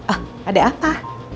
oh ada apa